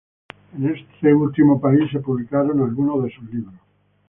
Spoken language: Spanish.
En este último país se publicaron algunos de sus libros.